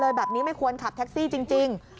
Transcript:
แบบนี้ไม่ควรขับแท็กซี่จริง